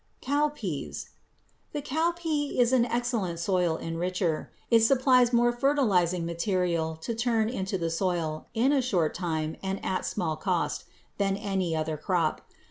=Cowpeas.= The cowpea is an excellent soil enricher. It supplies more fertilizing material to turn into the soil, in a short time and at small cost, than any other crop.